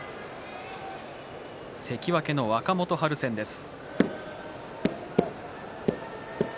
関脇の若元春戦です。